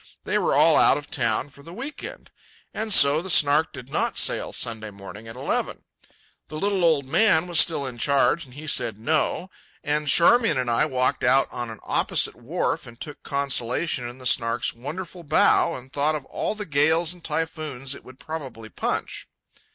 They were all out of town for the weekend. And so the Snark did not sail Sunday morning at eleven. The little old man was still in charge, and he said no. And Charmian and I walked out on an opposite wharf and took consolation in the Snark's wonderful bow and thought of all the gales and typhoons it would proudly punch.